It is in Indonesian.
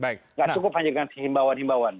tidak cukup hanya dengan himbauan himbauan